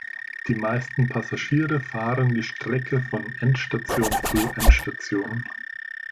Die meisten Passagiere fahren die Strecke von Endstation zu Endstation.